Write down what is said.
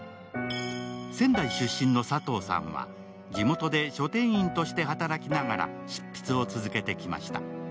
仙台出身の佐藤さんは地元で書店員として働きながら執筆を続けてきました。